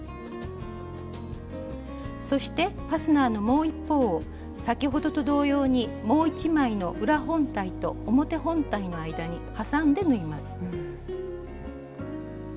そしてファスナーのもう一方を先ほどと同様にもう一枚の裏本体と表本体の間にはさんで縫います。